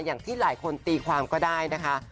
อย่างที่หลายคนตีความก็ได้นะคะ